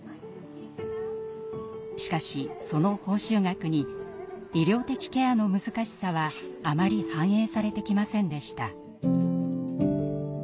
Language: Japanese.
しかしその報酬額に医療的ケアの難しさはあまり反映されてきませんでした。